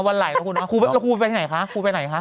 วันไหร่แล้วคุณแล้วคุณไปไหนคะคุณไปไหนคะ